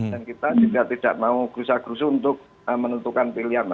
kita juga tidak mau gerusa gerusu untuk menentukan pilihan